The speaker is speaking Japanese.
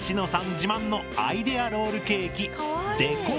自慢のアイデアロールケーキ！